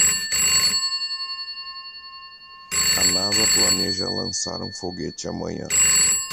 A Nasa planeja lançar um foguete amanhã.